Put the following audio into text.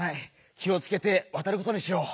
気をつけてわたることにしよう。